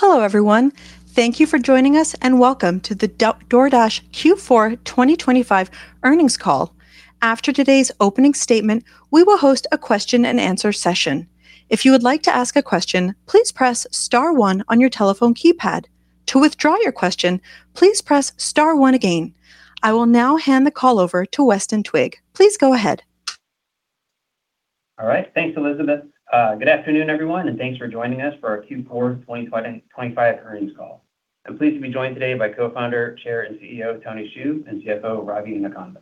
Hello, everyone. Thank you for joining us, and welcome to the DoorDash Q4 2025 earnings call. After today's opening statement, we will host a question and answer session. If you would like to ask a question, please press star one on your telephone keypad. To withdraw your question, please press star one again. I will now hand the call over to Weston Twigg. Please go ahead. All right. Thanks, Elizabeth. Good afternoon, everyone, and thanks for joining us for our Q4 2025 earnings call. I'm pleased to be joined today by Co-founder, Chairman, and CEO, Tony Xu, and CFO, Ravi Inukonda.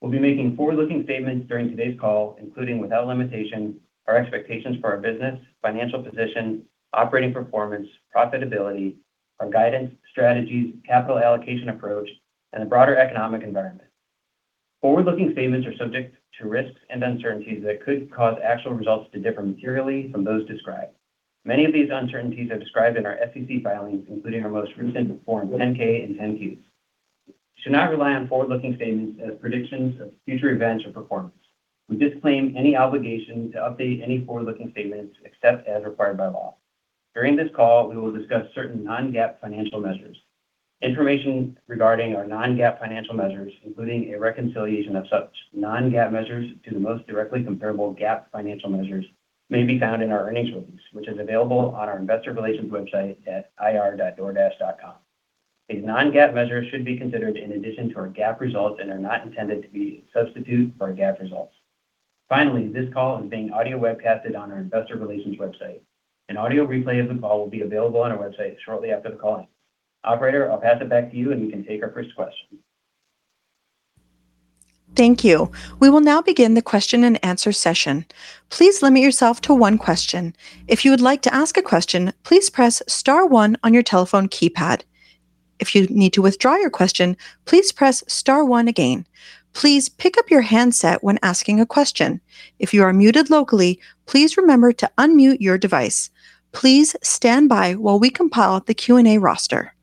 We'll be making forward-looking statements during today's call, including, without limitation, our expectations for our business, financial position, operating performance, profitability, our guidance, strategies, capital allocation approach, and the broader economic environment. Forward-looking statements are subject to risks and uncertainties that could cause actual results to differ materially from those described. Many of these uncertainties are described in our SEC filings, including our most recent Form 10-K and 10-Qs. You should not rely on forward-looking statements as predictions of future events or performance. We disclaim any obligation to update any forward-looking statements except as required by law. During this call, we will discuss certain non-GAAP financial measures. Information regarding our non-GAAP financial measures, including a reconciliation of such non-GAAP measures to the most directly comparable GAAP financial measures, may be found in our earnings release, which is available on our Investor Relations website at ir.doordash.com. These non-GAAP measures should be considered in addition to our GAAP results and are not intended to be a substitute for our GAAP results. Finally, this call is being audio webcasted on our Investor Relations website. An audio replay of the call will be available on our website shortly after the call. Operator, I'll pass it back to you, and you can take our first question. Thank you. We will now begin the question and answer session. Please limit yourself to one question. If you would like to ask a question, please press star one on your telephone keypad. If you need to withdraw your question, please press star one again. Please pick up your handset when asking a question. If you are muted locally, please remember to unmute your device. Please stand by while we compile the Q&A roster.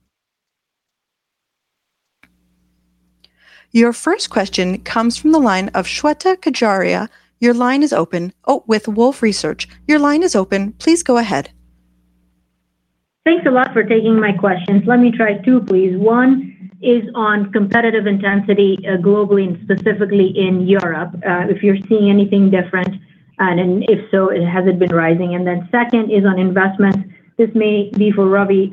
Your first question comes from the line of Shweta Khajuria. Your line is open. Oh, with Wolfe Research. Your line is open. Please go ahead. Thanks a lot for taking my questions. Let me try two, please. One is on competitive intensity, globally and specifically in Europe, if you're seeing anything different, and then if so, has it been rising? And then second is on investment. This may be for Ravi.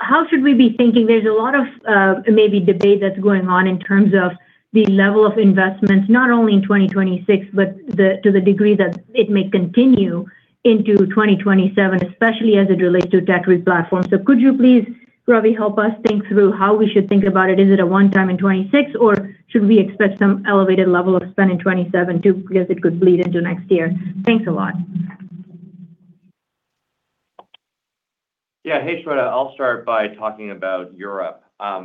How should we be thinking... There's a lot of, maybe debate that's going on in terms of the level of investments, not only in 2026, but to the degree that it may continue into 2027, especially as it relates to delivery platforms. So could you please, Ravi, help us think through how we should think about it? Is it a one time in 2026, or should we expect some elevated level of spend in 2027 too, because it could bleed into next year? Thanks a lot. Yeah. Hey, Shweta, I'll start by talking about Europe.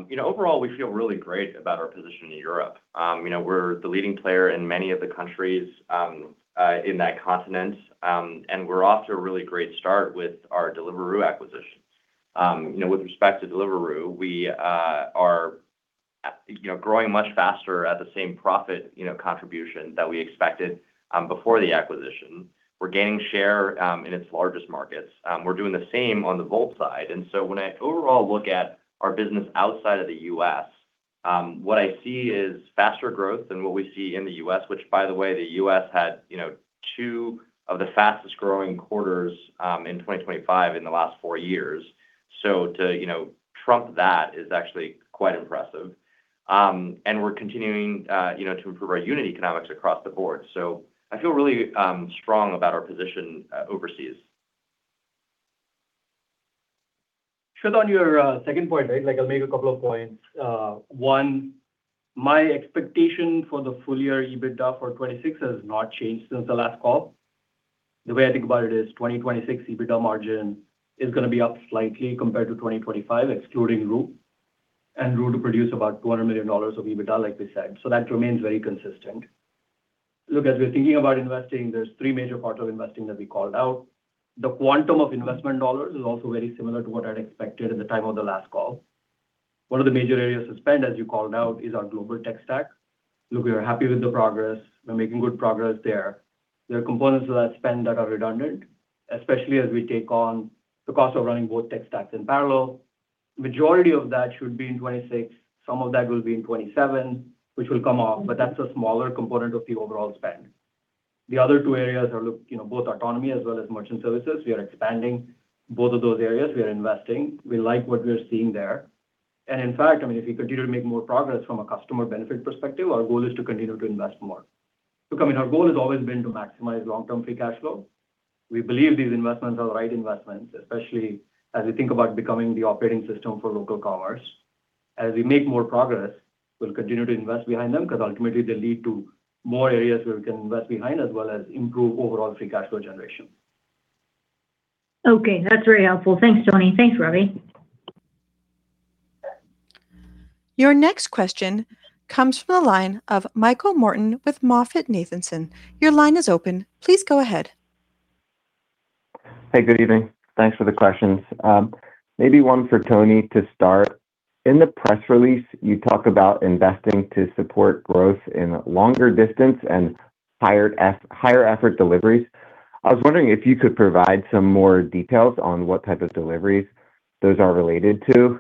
You know, overall, we feel really great about our position in Europe. You know, we're the leading player in many of the countries in that continent, and we're off to a really great start with our Deliveroo acquisition. You know, with respect to Deliveroo, we are, you know, growing much faster at the same profit, you know, contribution that we expected before the acquisition. We're gaining share in its largest markets. We're doing the same on the Wolt side. And so when I overall look at our business outside of the U.S., what I see is faster growth than what we see in the U.S., which, by the way, the U.S. had, you know, two of the fastest-growing quarters in 2025 in the last four years. So too, you know, trump that is actually quite impressive. And we're continuing, you know, to improve our unit economics across the board. So I feel really strong about our position overseas. Shweta, on your second point, right, like, I'll make a couple of points. One, my expectation for the full-year EBITDA for 2026 has not changed since the last call. The way I think about it is, 2026 EBITDA margin is gonna be up slightly compared to 2025, excluding Deliveroo, and Deliveroo to produce about $200 million of EBITDA, like we said. So that remains very consistent. Look, as we're thinking about investing, there's three major parts of investing that we called out. The quantum of investment dollars is also very similar to what I'd expected at the time of the last call. One of the major areas to spend, as you called out, is our global tech stack. Look, we are happy with the progress. We're making good progress there. There are components of that spend that are redundant, especially as we take on the cost of running both tech stacks in parallel. Majority of that should be in 2026, some of that will be in 2027, which will come off, but that's a smaller component of the overall spend. The other two areas are, look, you know, both autonomy as well as merchant services. We are expanding both of those areas. We are investing. We like what we're seeing there. And in fact, I mean, if we continue to make more progress from a customer benefit perspective, our goal is to continue to invest more. Look, I mean, our goal has always been to maximize long-term free cash flow. We believe these investments are the right investments, especially as we think about becoming the operating system for local commerce. As we make more progress, we'll continue to invest behind them, because ultimately, they lead to more areas where we can invest behind, as well as improve overall free cash flow generation. Okay, that's very helpful. Thanks, Tony. Thanks, Ravi. Your next question comes from the line of Michael Morton with MoffettNathanson. Your line is open. Please go ahead. Hey, good evening. Thanks for the questions. Maybe one for Tony to start. In the press release, you talk about investing to support growth in longer distance and higher effort deliveries. I was wondering if you could provide some more details on what type of deliveries those are related to.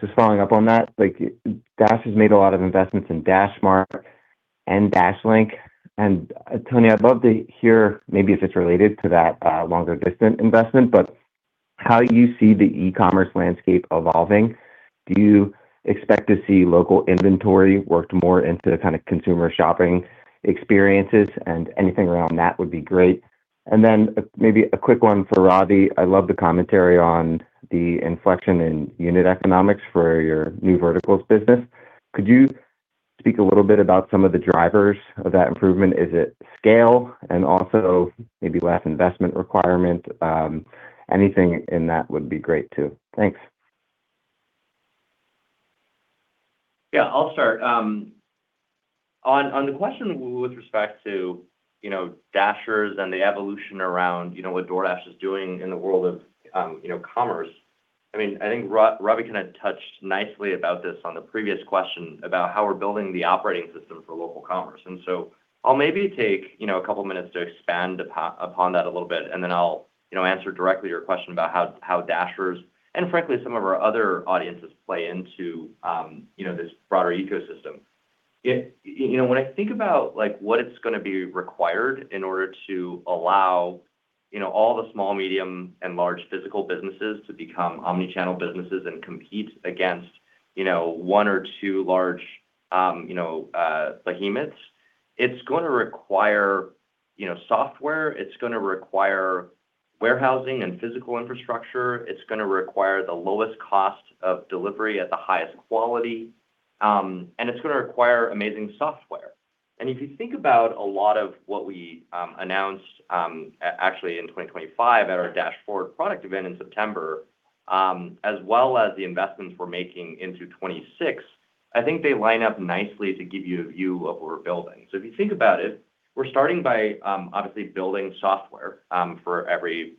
Just following up on that, like, Dash has made a lot of investments in DashMart and DashLink. Tony, I'd love to hear, maybe if it's related to that longer distance investment, but how you see the e-commerce landscape evolving. Do you expect to see local inventory worked more into the kind of consumer shopping experiences? Anything around that would be great. Then maybe a quick one for Ravi. I love the commentary on the inflection in unit economics for your new verticals business. Could you speak a little bit about some of the drivers of that improvement? Is it scale and also maybe less investment requirement? Anything in that would be great, too. Thanks. Yeah, I'll start. On the question with respect to, you know, Dashers and the evolution around, you know, what DoorDash is doing in the world of, you know, commerce. I mean, I think Ravi kind of touched nicely about this on the previous question about how we're building the operating system for local commerce. And so I'll maybe take, you know, a couple minutes to expand upon that a little bit, and then I'll, you know, answer directly your question about how Dashers and frankly, some of our other audiences play into, you know, this broader ecosystem. It... You know, when I think about like, what it's going to be required in order to allow, you know, all the small, medium, and large physical businesses to become omni-channel businesses and compete against, you know, one or two large, behemoths, it's going to require, you know, software, it's going to require warehousing and physical infrastructure. It's going to require the lowest cost of delivery at the highest quality, and it's going to require amazing software. And if you think about a lot of what we, announced, actually in 2025 at our Dash Forward product event in September, as well as the investments we're making into 2026, I think they line up nicely to give you a view of what we're building. If you think about it, we're starting by, obviously, building software for every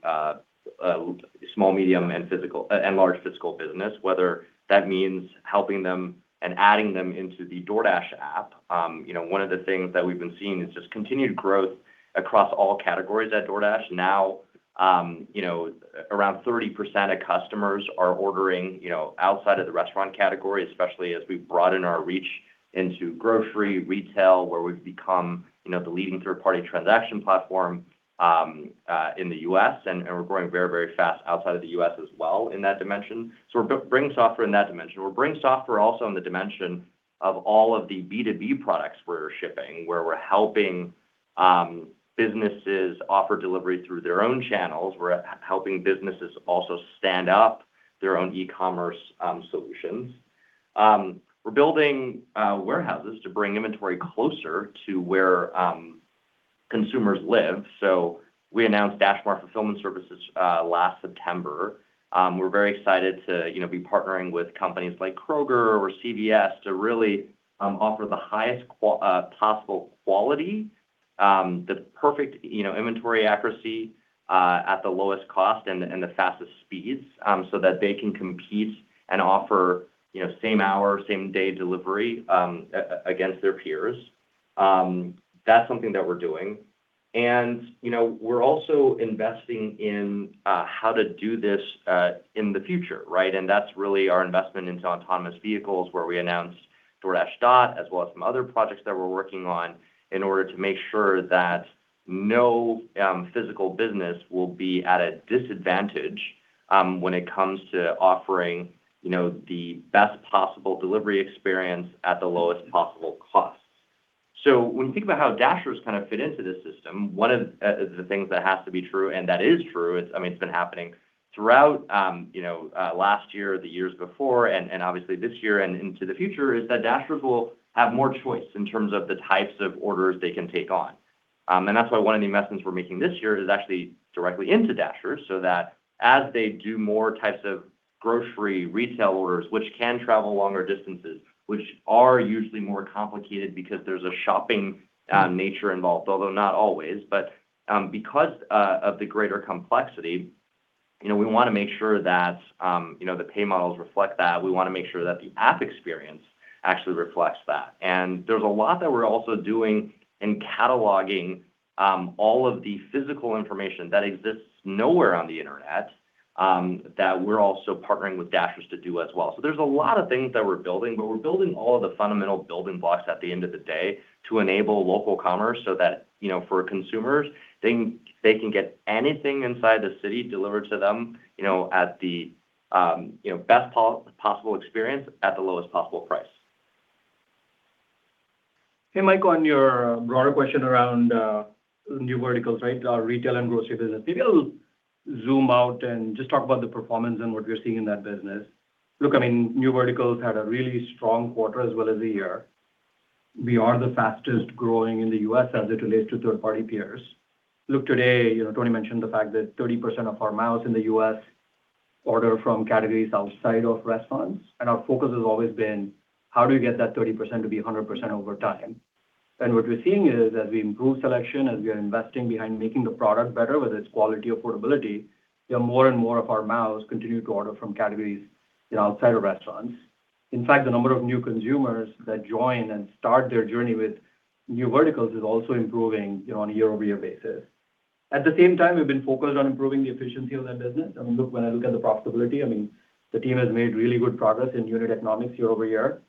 small, medium, and large physical business, whether that means helping them and adding them into the DoorDash app. You know, one of the things that we've been seeing is just continued growth across all categories at DoorDash. Now, you know, around 30% of customers are ordering, you know, outside of the restaurant category, especially as we broaden our reach into grocery, retail, where we've become, you know, the leading third-party transaction platform in the U.S., and we're growing very, very fast outside of the U.S. as well in that dimension. We're bringing software in that dimension. We're bringing software also in the dimension of all of the B2B products we're shipping, where we're helping businesses offer delivery through their own channels. We're helping businesses also stand up their own e-commerce solutions. We're building warehouses to bring inventory closer to where consumers live. We announced DashMart Fulfillment Services last September. We're very excited to, you know, be partnering with companies like Kroger or CVS to really offer the highest possible quality, the perfect, you know, inventory accuracy, at the lowest cost and the fastest speeds, so that they can compete and offer, you know, same hour, same day delivery against their peers. That's something that we're doing. You know, we're also investing in how to do this in the future, right? And that's really our investment into autonomous vehicles, where we announced DoorDash Dot, as well as some other projects that we're working on, in order to make sure that no physical business will be at a disadvantage, when it comes to offering, you know, the best possible delivery experience at the lowest possible cost. So when you think about how Dashers kind of fit into this system, one of the things that has to be true and that is true, it's, I mean, it's been happening throughout, you know, last year or the years before, and obviously this year and into the future, is that Dashers will have more choice in terms of the types of orders they can take on. And that's why one of the investments we're making this year is actually directly into Dashers, so that as they do more types of grocery, retail orders, which can travel longer distances, which are usually more complicated because there's a shopping nature involved, although not always. But because of the greater complexity, you know, we want to make sure that, you know, the pay models reflect that. We want to make sure that the app experience actually reflects that. And there's a lot that we're also doing in cataloging all of the physical information that exists nowhere on the internet that we're also partnering with Dashers to do as well. So there's a lot of things that we're building, but we're building all of the fundamental building blocks at the end of the day to enable local commerce so that, you know, for consumers, they can, they can get anything inside the city delivered to them, you know, at the, you know, best possible experience at the lowest possible price. Hey, Michael, on your broader question around new verticals, right? Our retail and grocery business. Maybe I'll zoom out and just talk about the performance and what we're seeing in that business. Look, I mean, new verticals had a really strong quarter as well as the year. We are the fastest growing in the U.S. as it relates to third-party peers. Look, today, you know, Tony mentioned the fact that 30% of our miles in the U.S. order from categories outside of restaurants, and our focus has always been: how do we get that 30% to be 100% over time? ... what we're seeing is, as we improve selection, as we are investing behind making the product better, whether it's quality or portability, yet more and more of our miles continue to order from categories, you know, outside of restaurants. In fact, the number of new consumers that join and start their journey with new verticals is also improving, you know, on a year-over-year basis. At the same time, we've been focused on improving the efficiency of that business. I mean, look, when I look at the profitability, I mean, the team has made really good progress in unit economics year over year.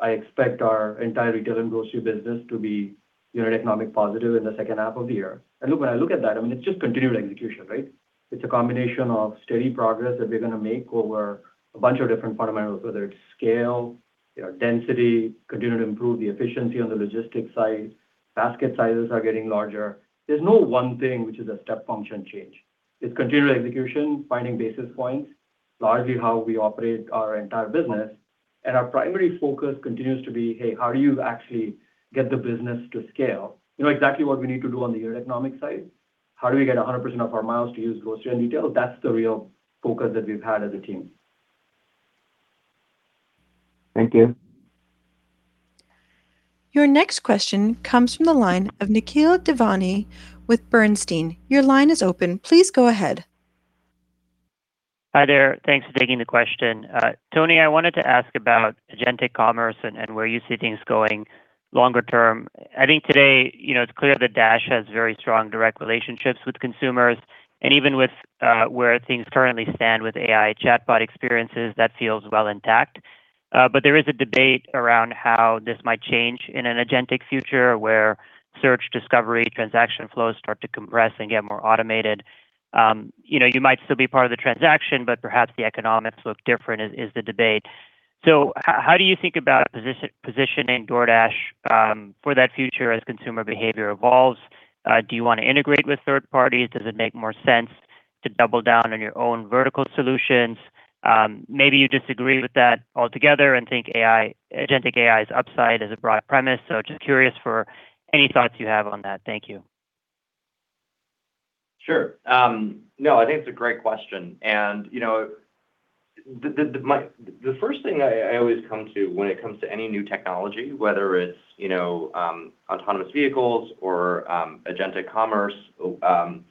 I expect our entire retail and grocery business to be unit economic positive in the second half of the year. I mean, it's just continued execution, right? It's a combination of steady progress that we're going to make over a bunch of different fundamentals, whether it's scale, you know, density, continue to improve the efficiency on the logistics side, basket sizes are getting larger. There's no one thing which is a step function change. It's continued execution, finding basis points, largely how we operate our entire business. Our primary focus continues to be, hey, how do you actually get the business to scale? You know exactly what we need to do on the unit economic side. How do we get 100% of our miles to use grocery and retail? That's the real focus that we've had as a team. Thank you. Your next question comes from the line of Nikhil Devnani with Bernstein. Your line is open. Please go ahead. Hi there. Thanks for taking the question. Tony, I wanted to ask about agentic commerce and where you see things going longer term. I think today, you know, it's clear that Dash has very strong, direct relationships with consumers, and even with where things currently stand with AI chatbot experiences, that feels well intact. But there is a debate around how this might change in an agentic future, where search, discovery, transaction flows start to compress and get more automated. You know, you might still be part of the transaction, but perhaps the economics look different is the debate. So how do you think about position, positioning DoorDash, for that future as consumer behavior evolves? Do you want to integrate with third parties? Does it make more sense to double down on your own vertical solutions? Maybe you disagree with that altogether and think AI, agentic AI's upside is a broad premise. So just curious for any thoughts you have on that. Thank you. Sure. No, I think it's a great question, and, you know, the first thing I always come to when it comes to any new technology, whether it's, you know, autonomous vehicles or, agentic commerce, and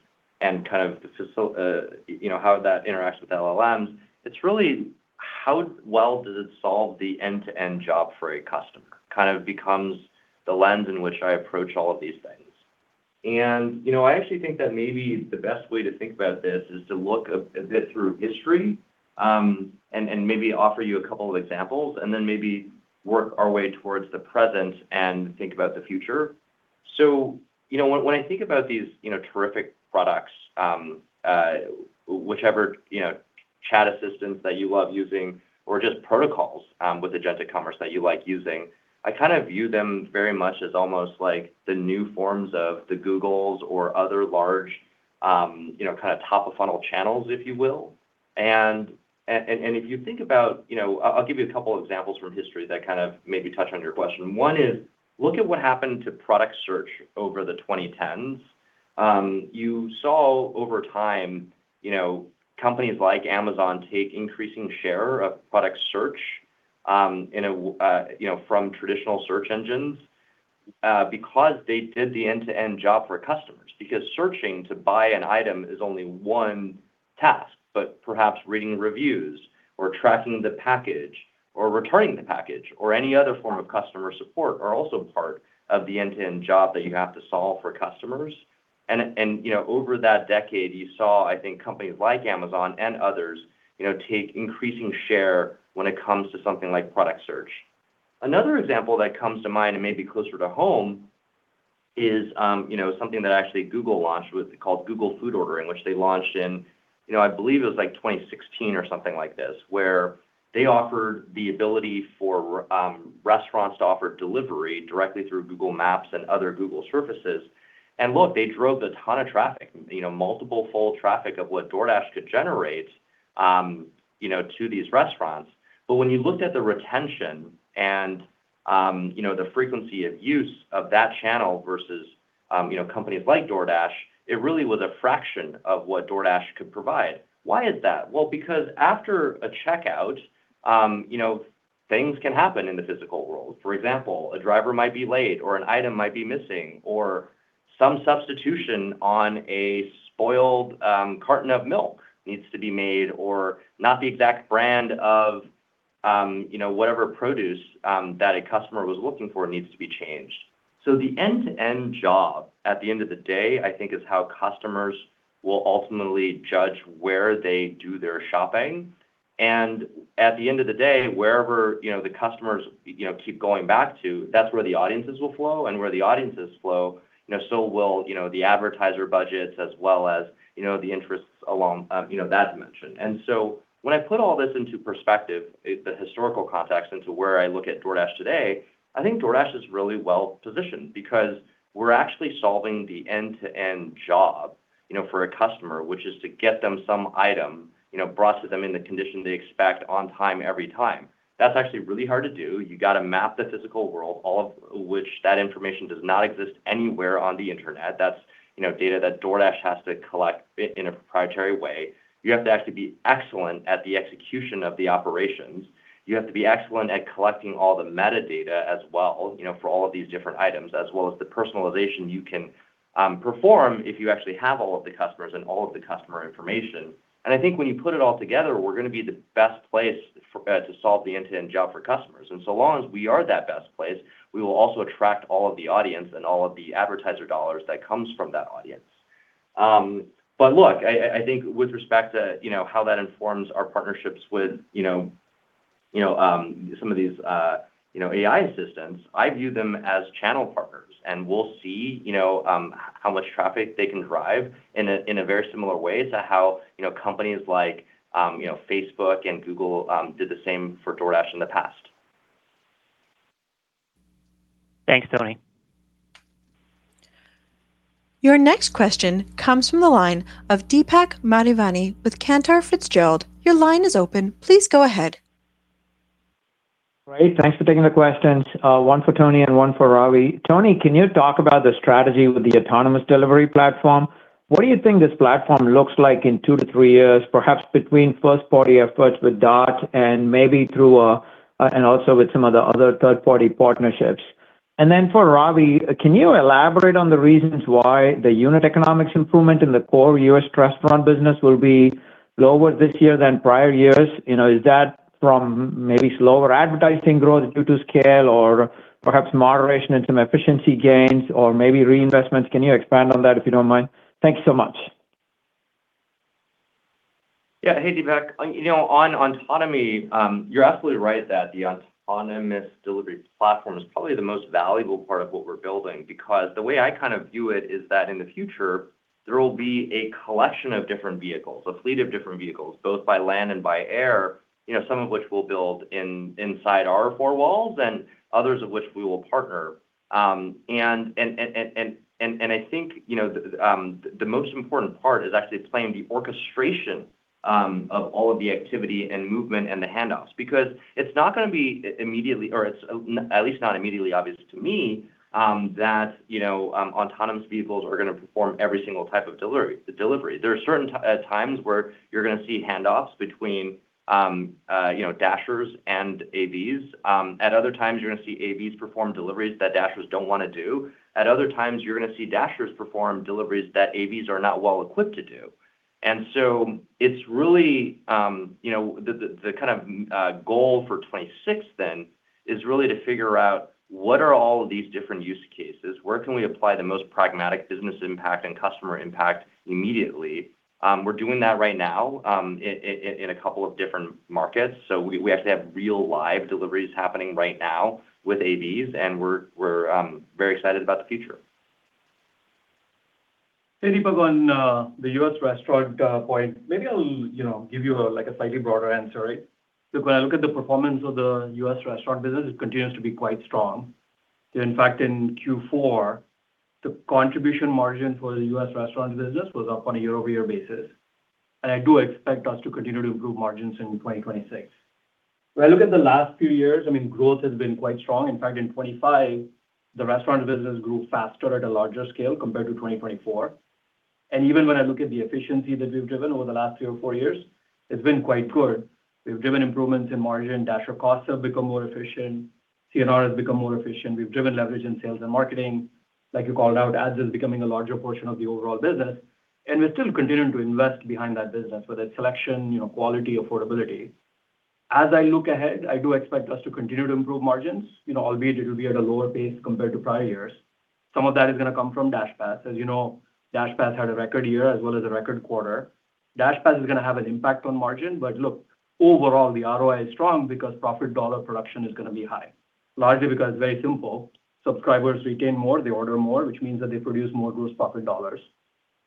you know, how that interacts with LLMs, it's really how well does it solve the end-to-end job for a customer? Kind of becomes the lens in which I approach all of these things. And, you know, I actually think that maybe the best way to think about this is to look a bit through history, and maybe offer you a couple of examples, and then maybe work our way towards the present and think about the future. So, you know, when I think about these, you know, terrific products, whichever, you know, chat assistants that you love using or just protocols with agentic commerce that you like using, I kind of view them very much as almost like the new forms of the Googles or other large, you know, kind of top-of-funnel channels, if you will. And if you think about, you know... I'll give you a couple of examples from history that kind of maybe touch on your question. One is, look at what happened to product search over the 2010s. You saw over time, you know, companies like Amazon take increasing share of product search, you know, from traditional search engines, because they did the end-to-end job for customers. Because searching to buy an item is only one task, but perhaps reading reviews or tracking the package or returning the package or any other form of customer support are also part of the end-to-end job that you have to solve for customers. And you know, over that decade, you saw, I think, companies like Amazon and others, you know, take increasing share when it comes to something like product search. Another example that comes to mind, and maybe closer to home, is you know, something that actually Google launched with, called Google Food Ordering, which they launched in, you know, I believe it was like 2016 or something like this, where they offered the ability for restaurants to offer delivery directly through Google Maps and other Google surfaces. Look, they drove a ton of traffic, you know, multiple full traffic of what DoorDash could generate, you know, to these restaurants. When you looked at the retention and, you know, the frequency of use of that channel versus, you know, companies like DoorDash, it really was a fraction of what DoorDash could provide. Why is that? Well, because after a checkout, you know, things can happen in the physical world. For example, a driver might be late, or an item might be missing, or some substitution on a spoiled, carton of milk needs to be made, or not the exact brand of, you know, whatever produce, that a customer was looking for needs to be changed. The end-to-end job, at the end of the day, I think, is how customers will ultimately judge where they do their shopping. At the end of the day, wherever, you know, the customers, you know, keep going back to, that's where the audiences will flow, and where the audiences flow, you know, so will, you know, the advertiser budgets, as well as, you know, the interests along, you know, that dimension. So when I put all this into perspective, the historical context into where I look at DoorDash today, I think DoorDash is really well positioned because we're actually solving the end-to-end job, you know, for a customer, which is to get them some item, you know, brought to them in the condition they expect on time, every time. That's actually really hard to do. You got to map the physical world, all of which that information does not exist anywhere on the internet. That's, you know, data that DoorDash has to collect in a proprietary way. You have to actually be excellent at the execution of the operations. You have to be excellent at collecting all the metadata as well, you know, for all of these different items, as well as the personalization you can perform if you actually have all of the customers and all of the customer information. And I think when you put it all together, we're going to be the best place for to solve the end-to-end job for customers. And so long as we are that best place, we will also attract all of the audience and all of the advertiser dollars that comes from that audience. But look, I think with respect to, you know, how that informs our partnerships with, you know-... You know, some of these, you know, AI assistants, I view them as channel partners, and we'll see, you know, how much traffic they can drive in a, in a very similar way to how, you know, companies like, you know, Facebook and Google, did the same for DoorDash in the past. Thanks, Tony. Your next question comes from the line of Deepak Mathivanan with Cantor Fitzgerald. Your line is open. Please go ahead. Great. Thanks for taking the questions, one for Tony and one for Ravi. Tony, can you talk about the strategy with the autonomous delivery platform? What do you think this platform looks like in two to three years, perhaps between first-party efforts with DoorDash Dot and maybe through a and also with some of the other third-party partnerships? And then for Ravi, can you elaborate on the reasons why the unit economics improvement in the core U.S. restaurant business will be lower this year than prior years? You know, is that from maybe slower advertising growth due to scale, or perhaps moderation and some efficiency gains, or maybe reinvestments? Can you expand on that, if you don't mind? Thank you so much. Yeah. Hey, Deepak. You know, on autonomy, you're absolutely right that the autonomous delivery platform is probably the most valuable part of what we're building, because the way I kind of view it is that in the future, there will be a collection of different vehicles, a fleet of different vehicles, both by land and by air, you know, some of which we'll build inside our four walls and others of which we will partner. And I think, you know, the most important part is actually playing the orchestration of all of the activity and movement and the handoffs, because it's not gonna be immediately or it's, at least not immediately obvious to me, that, you know, autonomous vehicles are gonna perform every single type of delivery. There are certain times where you're gonna see handoffs between, you know, Dashers and AVs. At other times, you're gonna see AVs perform deliveries that Dashers don't wanna do. At other times, you're gonna see Dashers perform deliveries that AVs are not well equipped to do. And so it's really, you know, the kind of goal for 2026 then is really to figure out what are all of these different use cases, where can we apply the most pragmatic business impact and customer impact immediately. We're doing that right now, in a couple of different markets. So we actually have real live deliveries happening right now with AVs, and we're very excited about the future. Hey, Deepak, on the U.S. restaurant point, maybe I'll, you know, give you a, like a slightly broader answer, right? Look, when I look at the performance of the U.S. restaurant business, it continues to be quite strong. In fact, in Q4, the contribution margin for the U.S. restaurant business was up on a year-over-year basis, and I do expect us to continue to improve margins in 2026. When I look at the last few years, I mean, growth has been quite strong. In fact, in 2025, the restaurant business grew faster at a larger scale compared to 2024. And even when I look at the efficiency that we've driven over the last three or four years, it's been quite good. We've driven improvements in margin. Dasher costs have become more efficient, CNR has become more efficient. We've driven leverage in sales and marketing. Like you called out, ads is becoming a larger portion of the overall business, and we're still continuing to invest behind that business, whether it's selection, you know, quality, affordability. As I look ahead, I do expect us to continue to improve margins. You know, albeit it will be at a lower pace compared to prior years. Some of that is gonna come from DashPass. As you know, DashPass had a record year as well as a record quarter. DashPass is gonna have an impact on margin, but look, overall, the ROI is strong because profit dollar production is gonna be high. Largely because it's very simple. Subscribers retain more, they order more, which means that they produce more gross profit dollars.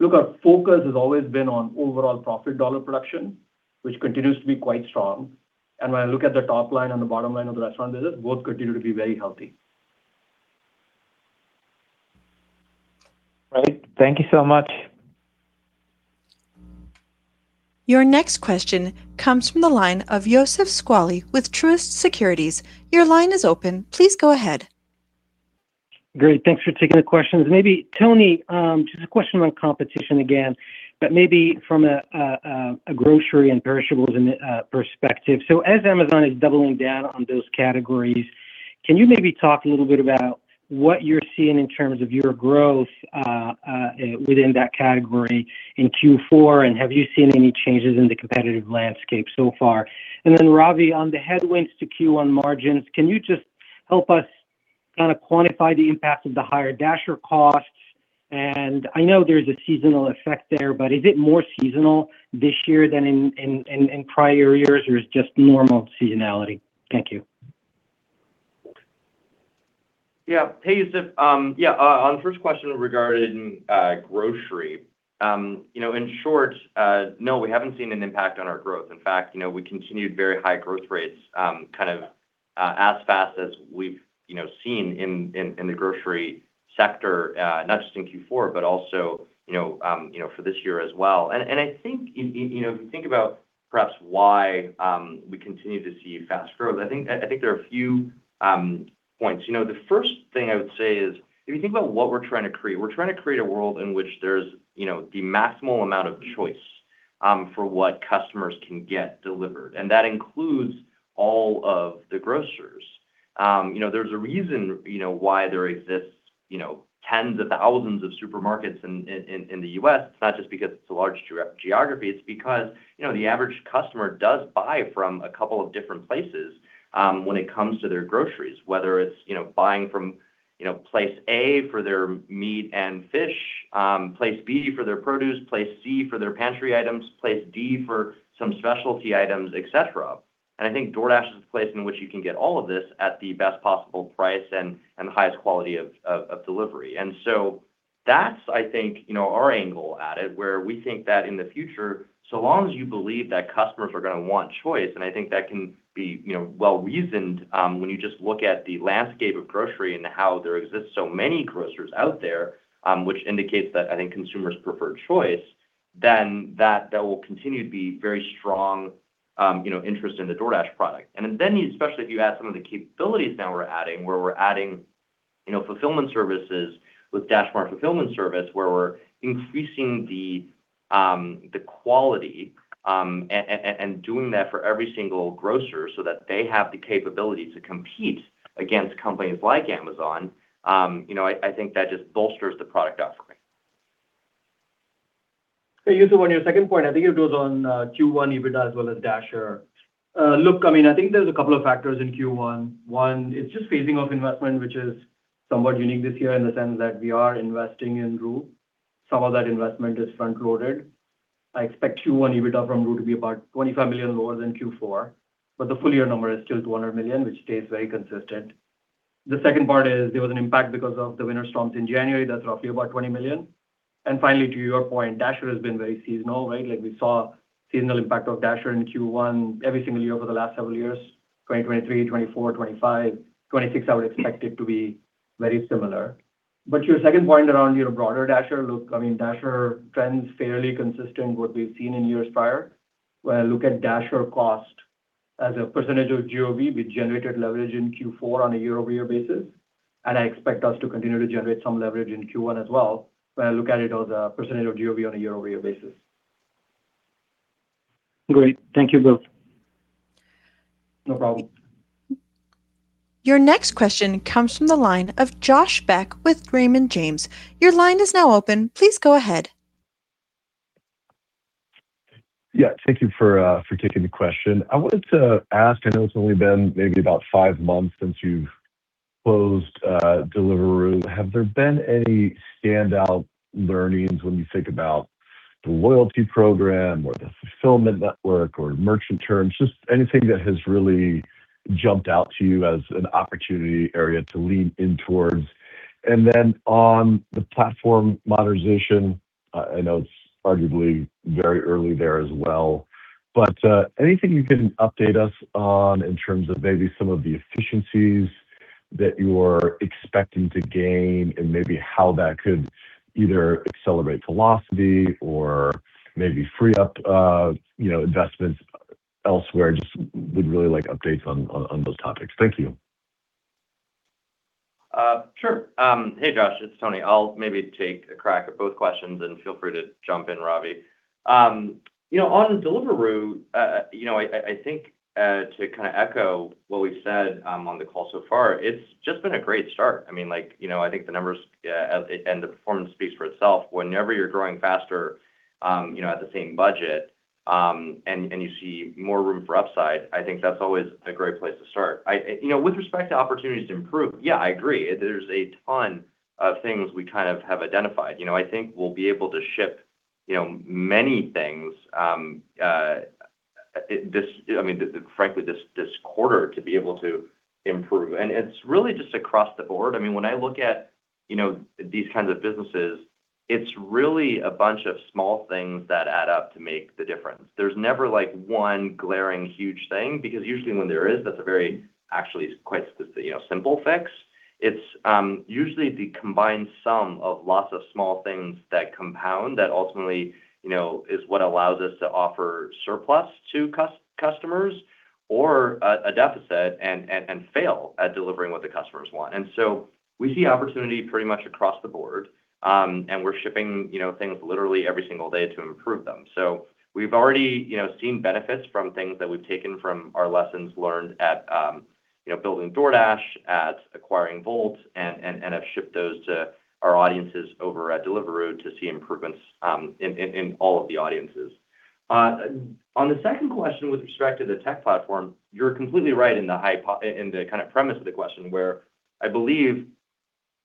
Look, our focus has always been on overall profit dollar production, which continues to be quite strong. When I look at the top line and the bottom line of the restaurant business, both continue to be very healthy. Great. Thank you so much. Your next question comes from the line of Youssef Squali with Truist Securities. Your line is open. Please go ahead. Great. Thanks for taking the questions. Maybe, Tony, just a question on competition again, but maybe from a grocery and perishables and perspective. So as Amazon is doubling down on those categories, can you maybe talk a little bit about what you're seeing in terms of your growth within that category in Q4, and have you seen any changes in the competitive landscape so far? And then, Ravi, on the headwinds to Q1 margins, can you just help us kind of quantify the impact of the higher Dasher costs? And I know there's a seasonal effect there, but is it more seasonal this year than in prior years, or is it just normal seasonality? Thank you. Yeah. Hey, Youssef, yeah, on first question regarding grocery, you know, in short, no, we haven't seen an impact on our growth. In fact, you know, we continued very high growth rates, kind of, as fast as we've, you know, seen in the grocery sector, not just in Q4, but also, you know, for this year as well. And I think if, you know, if you think about perhaps why, we continue to see fast growth, I think, I think there are a few points. You know, the first thing I would say is, if you think about what we're trying to create, we're trying to create a world in which there's, you know, the maximal amount of choice for what customers can get delivered, and that includes all of the grocers. You know, there's a reason, you know, why there exists tens of thousands of supermarkets in the U.S. It's not just because it's a large geography, it's because, you know, the average customer does buy from a couple of different places when it comes to their groceries. Whether it's, you know, buying from, you know, place A for their meat and fish, place B for their produce, place C for their pantry items, place D for some specialty items, et cetera. I think DoorDash is the place in which you can get all of this at the best possible price and the highest quality of delivery. And so that's, I think, you know, our angle at it, where we think that in the future, so long as you believe that customers are gonna want choice, and I think that can be, you know, well-reasoned, when you just look at the landscape of grocery and how there exists so many grocers out there, which indicates that I think consumers prefer choice, then that will continue to be very strong, you know, interest in the DoorDash product. Then, especially if you add some of the capabilities now we're adding, where we're adding, you know, Fulfillment Services with DashMart Fulfillment Services, where we're increasing the quality and doing that for every single grocer so that they have the capability to compete against companies like Amazon, you know, I think that just bolsters the product offering. Hey, Youssef, on your second point, I think it was on Q1 EBITDA as well as Dasher. Look, I mean, I think there's a couple of factors in Q1. One, it's just phasing of investment, which is somewhat unique this year in the sense that we are investing in Deliveroo. Some of that investment is front-loaded. I expect Q1 EBITDA from Deliveroo to be about $25 million lower than Q4, but the full-year number is still $200 million, which stays very consistent. The second part is there was an impact because of the winter storms in January. That's roughly about $20 million. And finally, to your point, Dasher has been very seasonal, right? Like we saw seasonal impact of Dasher in Q1 every single year over the last several years, 2023, 2024, 2025. 2026, I would expect it to be very similar. But your second point around your broader Dasher look, I mean, Dasher trends fairly consistent what we've seen in years prior. When I look at Dasher cost as a percentage of GOV, we generated leverage in Q4 on a year-over-year basis, and I expect us to continue to generate some leverage in Q1 as well, when I look at it as a percentage of GOV on a year-over-year basis. Great. Thank you both. No problem. Your next question comes from the line of Josh Beck with Raymond James. Your line is now open. Please go ahead. Yeah, thank you for taking the question. I wanted to ask, I know it's only been maybe about five months since you've closed Deliveroo. Have there been any standout learnings when you think about the loyalty program or the fulfillment network or merchant terms? Just anything that has really jumped out to you as an opportunity area to lean in towards. And then on the platform modernization, I know it's arguably very early there as well, but anything you can update us on in terms of maybe some of the efficiencies that you're expecting to gain and maybe how that could either accelerate velocity or maybe free up, you know, investments elsewhere? Just would really like updates on those topics. Thank you. Sure. Hey, Josh, it's Tony. I'll maybe take a crack at both questions and feel free to jump in, Ravi. You know, on Deliveroo, I think, to kind of echo what we've said on the call so far, it's just been a great start. I mean, like, you know, I think the numbers and the performance speaks for itself. Whenever you're growing faster, you know, at the same budget, and you see more room for upside, I think that's always a great place to start. I, you know, with respect to opportunities to improve, yeah, I agree. There's a ton of things we kind of have identified. You know, I think we'll be able to ship, you know, many things, frankly, this quarter to be able to improve. It's really just across the board. I mean, when I look at, you know, these kinds of businesses, it's really a bunch of small things that add up to make the difference. There's never, like, one glaring, huge thing, because usually when there is, that's a very actually quite specific, you know, simple fix. It's usually the combined sum of lots of small things that compound that ultimately, you know, is what allows us to offer surplus to customers or a deficit and fail at delivering what the customers want. And so we see opportunity pretty much across the board, and we're shipping, you know, things literally every single day to improve them. So we've already, you know, seen benefits from things that we've taken from our lessons learned at, you know, building DoorDash, at acquiring Wolt, and have shipped those to our audiences over at Deliveroo to see improvements in all of the audiences. On the second question, with respect to the tech platform, you're completely right in the kind of premise of the question, where I believe,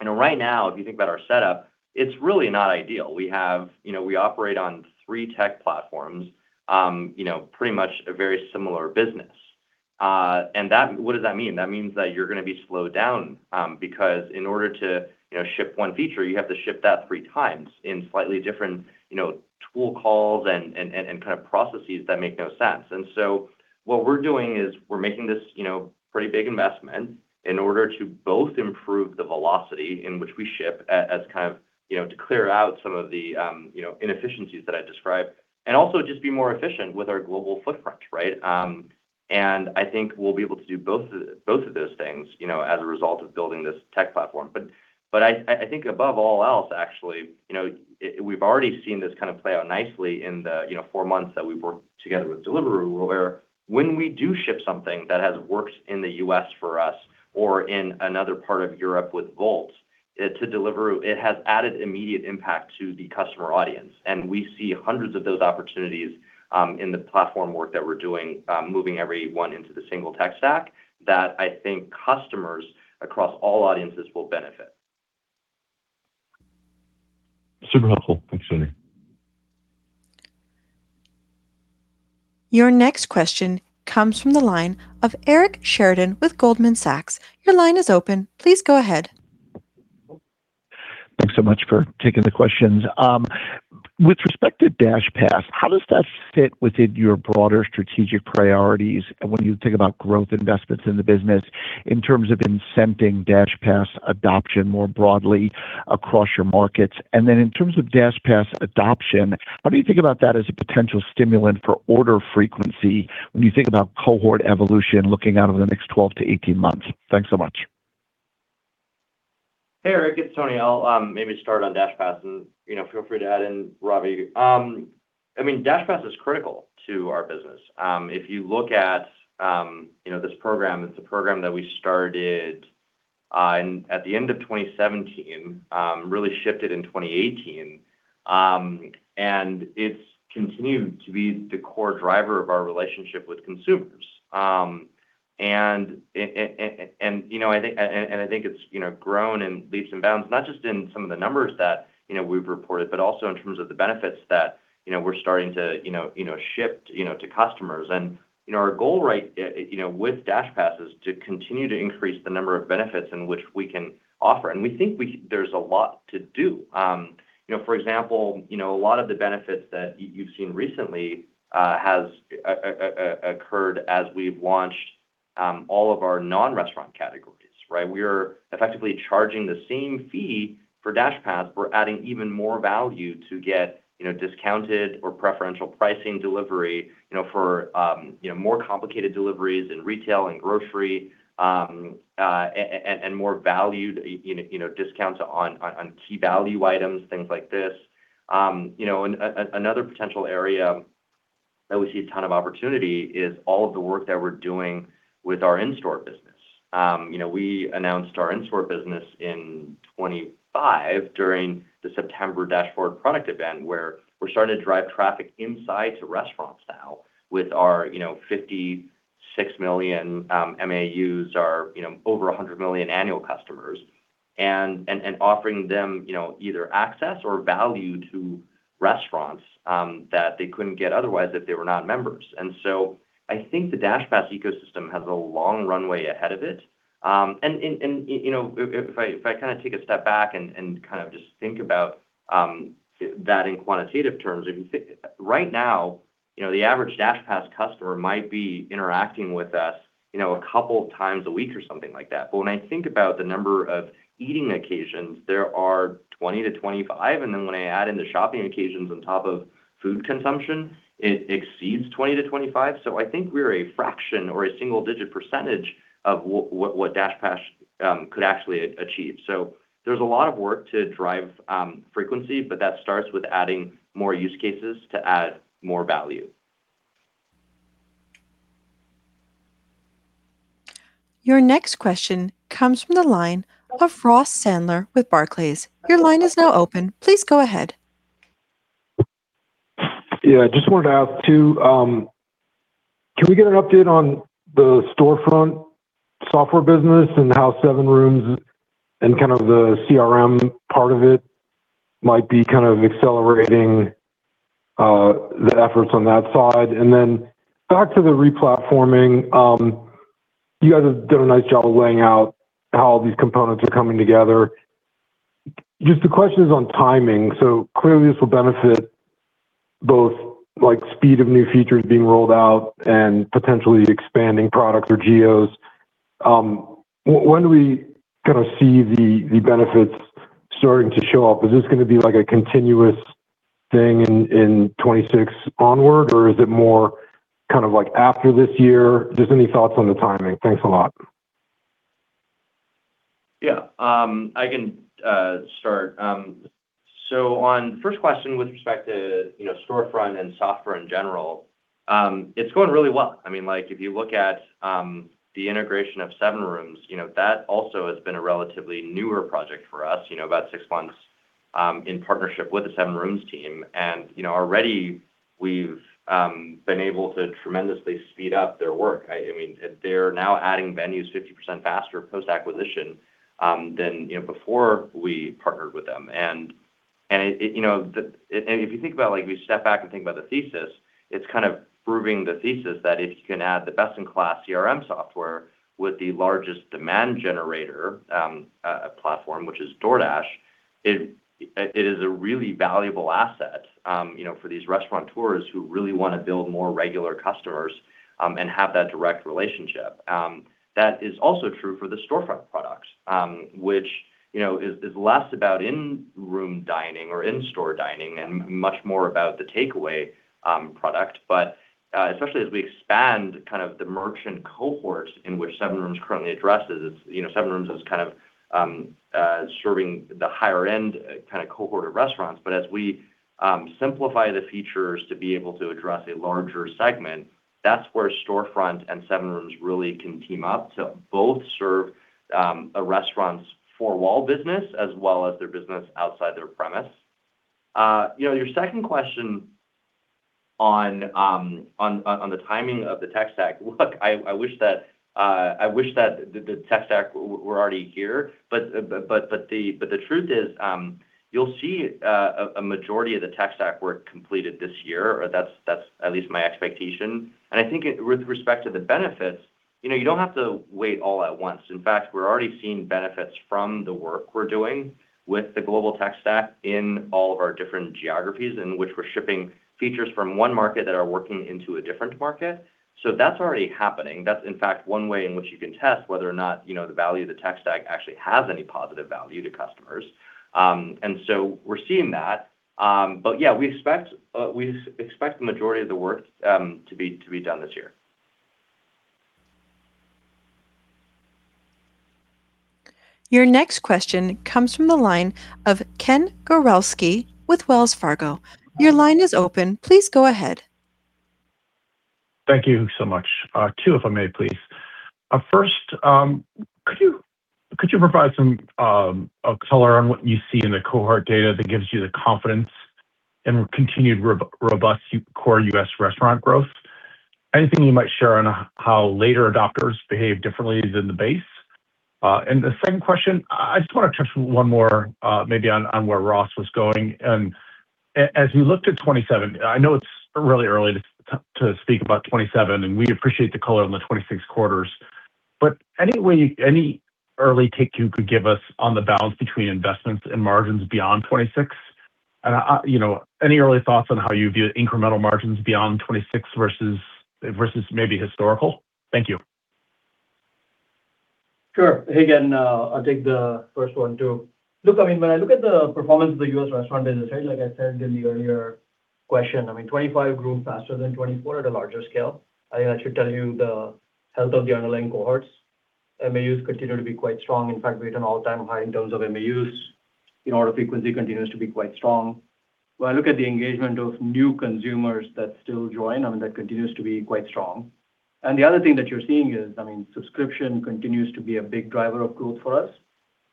you know, right now, if you think about our setup, it's really not ideal. We have... You know, we operate on three tech platforms, you know, pretty much a very similar business. And what does that mean? That means that you're gonna be slowed down, because in order to, you know, ship one feature, you have to ship that three times in slightly different, you know, tool calls and kind of processes that make no sense. And so what we're doing is we're making this, you know, pretty big investment in order to both improve the velocity in which we ship as kind of, you know, to clear out some of the, you know, inefficiencies that I described, and also just be more efficient with our global footprint, right? And I think we'll be able to do both of those things, you know, as a result of building this tech platform. But I think above all else, actually, you know, we've already seen this kind of play out nicely in the, you know, four months that we've worked together with Deliveroo, where when we do ship something that has worked in the U.S. for us or in another part of Europe with Wolt to deliver, it has added immediate impact to the customer audience, and we see hundreds of those opportunities, in the platform work that we're doing, moving everyone into the single tech stack, that I think customers across all audiences will benefit. Super helpful. Thanks, Tony. Your next question comes from the line of Eric Sheridan with Goldman Sachs. Your line is open. Please go ahead. Thanks so much for taking the questions. With respect to DashPass, how does that fit within your broader strategic priorities? And when you think about growth investments in the business, in terms of incenting DashPass adoption more broadly across your markets, and then in terms of DashPass adoption, how do you think about that as a potential stimulant for order frequency when you think about cohort evolution looking out over the next 12-18 months? Thanks so much. Hey, Eric, it's Tony. I'll maybe start on DashPass and, you know, feel free to add in, Ravi. I mean, DashPass is critical to our business. If you look at, you know, this program, it's a program that we started at the end of 2017, really shifted in 2018. And it's continued to be the core driver of our relationship with consumers. And, and, you know, I think, and I think it's, you know, grown in leaps and bounds, not just in some of the numbers that, you know, we've reported, but also in terms of the benefits that, you know, we're starting to, you know, you know, shift, you know, to customers. And, you know, our goal, right, you know, with DashPass is to continue to increase the number of benefits in which we can offer. We think there's a lot to do. You know, for example, you know, a lot of the benefits that you've seen recently has occurred as we've launched all of our non-restaurant categories, right? We are effectively charging the same fee for DashPass. We're adding even more value to get, you know, discounted or preferential pricing delivery, you know, for, you know, more complicated deliveries in retail and grocery, and more valued, you know, you know, discounts on, on, on key value items, things like this. You know, another potential area that we see a ton of opportunity is all of the work that we're doing with our in-store business. You know, we announced our in-store business in 2025 during the September Dash Forward product event, where we're starting to drive traffic inside to restaurants now with our, you know, 56 million MAUs, our, you know, over 100 million annual customers, and, and, and offering them, you know, either access or value to restaurants that they couldn't get otherwise if they were not members. And so I think the DashPass ecosystem has a long runway ahead of it. You know, if I, if I kind of take a step back and, and kind of just think about that in quantitative terms, if you think... Right now, you know, the average DashPass customer might be interacting with us, you know, a couple of times a week or something like that. But when I think about the number of eating occasions, there are 20-25, and then when I add in the shopping occasions on top of food consumption, it exceeds 20-25. So I think we're a fraction or a single-digit percentage of what DashPass could actually achieve. So there's a lot of work to drive frequency, but that starts with adding more use cases to add more value. Your next question comes from the line of Ross Sandler with Barclays. Your line is now open. Please go ahead. Yeah, I just wanted to ask, too, can we get an update on the storefront software business and how SevenRooms and kind of the CRM part of it might be kind of accelerating the efforts on that side? And then back to the replatforming, you guys have done a nice job of laying out how these components are coming together. Just the question is on timing. So clearly, this will benefit both, like, speed of new features being rolled out and potentially expanding products or geos. When do we kind of see the benefits starting to show up? Is this gonna be, like, a continuous thing in 2026 onward, or is it more kind of like after this year? Just any thoughts on the timing. Thanks a lot. Yeah. I can start. So on first question with respect to, you know, Storefront and software in general, it's going really well. I mean, like, if you look at the integration of SevenRooms, you know, that also has been a relatively newer project for us, you know, about six months in partnership with the SevenRooms team. And, you know, already we've been able to tremendously speed up their work. I mean, they're now adding venues 50% faster post-acquisition than, you know, before we partnered with them. you know, if you think about, like, we step back and think about the thesis, it's kind of proving the thesis that if you can add the best-in-class CRM software with the largest demand generator, platform, which is DoorDash, it is a really valuable asset, you know, for these restaurateurs who really want to build more regular customers, and have that direct relationship. That is also true for the Storefront products, which, you know, is less about in-room dining or in-store dining and much more about the takeaway, product. But, especially as we expand kind of the merchant cohort in which SevenRooms currently addresses, you know, SevenRooms is kind of, serving the higher end kind of cohort of restaurants. But as we simplify the features to be able to address a larger segment. That's where Storefront and SevenRooms really can team up to both serve a restaurant's four-wall business, as well as their business outside their premise. You know, your second question on the timing of the tech stack, look, I wish that the tech stack were already here, but the truth is, you'll see a majority of the tech stack work completed this year, or that's at least my expectation. And I think with respect to the benefits, you know, you don't have to wait all at once. In fact, we're already seeing benefits from the work we're doing with the global tech stack in all of our different geographies, in which we're shipping features from one market that are working into a different market. So that's already happening. That's, in fact, one way in which you can test whether or not, you know, the value of the tech stack actually has any positive value to customers. And so we're seeing that. But yeah, we expect, we expect the majority of the work to be, to be done this year. Your next question comes from the line of Ken Gawrelski with Wells Fargo. Your line is open. Please go ahead. Thank you so much. Two, if I may, please. First, could you provide some color on what you see in the cohort data that gives you the confidence and continued robust core U.S. restaurant growth? Anything you might share on how later adopters behave differently than the base? And the second question, I just want to touch one more, maybe on where Ross was going. As we looked at 2027, I know it's really early to speak about 2027, and we'd appreciate the color on the 2026 quarters, but anyway, any early take you could give us on the balance between investments and margins beyond 2026? And you know, any early thoughts on how you view incremental margins beyond 2026 versus maybe historical? Thank you. Sure. Hey, again, I'll take the first one, too. Look, I mean, when I look at the performance of the U.S. restaurant business, right, like I said in the earlier question, I mean, 2025 grew faster than 2024 at a larger scale. I think that should tell you the health of the underlying cohorts. MAUs continue to be quite strong. In fact, we're at an all-time high in terms of MAUs. In order, frequency continues to be quite strong. When I look at the engagement of new consumers that still join, I mean, that continues to be quite strong. And the other thing that you're seeing is, I mean, subscription continues to be a big driver of growth for us.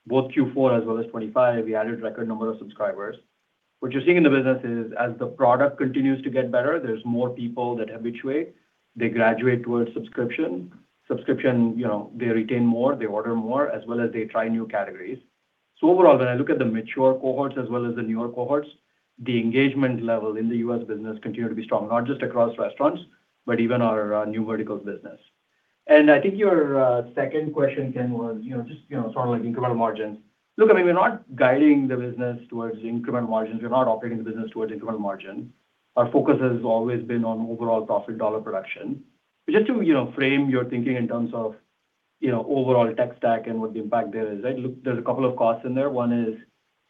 Both Q4 as well as 2025, we added record number of subscribers. What you're seeing in the business is, as the product continues to get better, there's more people that habituate, they graduate towards subscription. Subscription, you know, they retain more, they order more, as well as they try new categories. So overall, when I look at the mature cohorts as well as the newer cohorts, the engagement level in the U.S. business continue to be strong, not just across restaurants, but even our new verticals business. And I think your second question, Ken, was, you know, just, you know, sort of like incremental margins. Look, I mean, we're not guiding the business towards incremental margins. We're not operating the business towards incremental margin. Our focus has always been on overall profit dollar production. Just to, you know, frame your thinking in terms of, you know, overall tech stack and what the impact there is, right? Look, there's a couple of costs in there. One is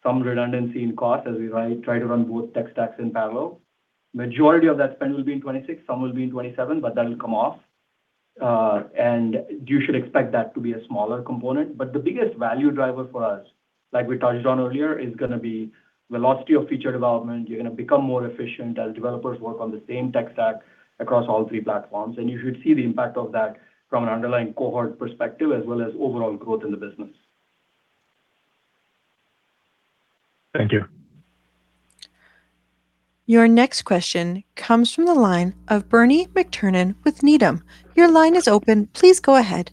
some redundancy in cost as we try to run both tech stacks in parallel. Majority of that spend will be in 2026, some will be in 2027, but that will come off, and you should expect that to be a smaller component. But the biggest value driver for us, like we touched on earlier, is going to be velocity of feature development. You're going to become more efficient as developers work on the same tech stack across all three platforms, and you should see the impact of that from an underlying cohort perspective, as well as overall growth in the business. Thank you. Your next question comes from the line of Bernie McTernan with Needham. Your line is open. Please go ahead.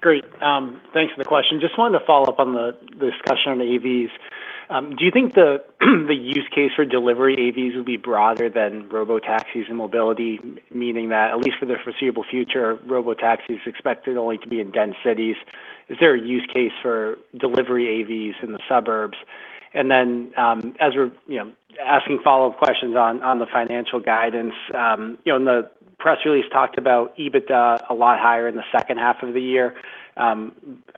Great. Thanks for the question. Just wanted to follow up on the discussion on the AVs. Do you think the use case for delivery AVs will be broader than robotaxis and mobility, meaning that at least for the foreseeable future, robotaxis expected only to be in dense cities? Is there a use case for delivery AVs in the suburbs? And then, as we're, you know, asking follow-up questions on the financial guidance, you know, in the press release talked about EBITDA a lot higher in the second half of the year. I